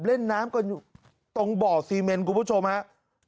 เล่นน้ำกันอยู่ตรงบ่อซีเมนคุณผู้ชมฮะ